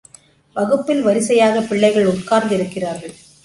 வகுப்பில் வரிசையாக பிள்ளைகள் உட்கார்ந்திருக்கிறார்கள்.